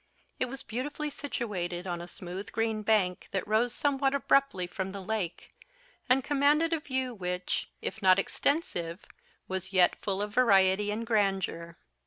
It was beautifully situated on a smooth green bank, that rose somewhat abruptly from the lake, and commanded a view, which, if not extensive, was yet full of variety and grandeur.